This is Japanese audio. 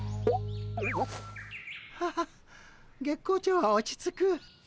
ハハ月光町は落ち着く。